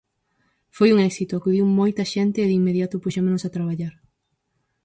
Foi un éxito, acudiu moita xente e de inmediato puxémonos a traballar.